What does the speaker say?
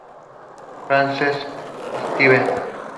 Francesc Esteve.